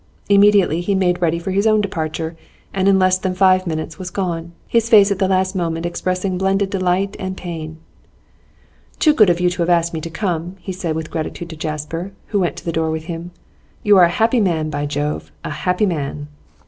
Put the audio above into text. Immediately he made ready for his own departure, and in less than five minutes was gone, his face at the last moment expressing blended delight and pain. 'Too good of you to have asked me to come,' he said with gratitude to Jasper, who went to the door with him. 'You are a happy man, by Jove! A happy man!